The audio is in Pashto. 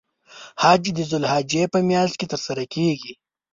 حج د ذوالحجې په میاشت کې تر سره کیږی.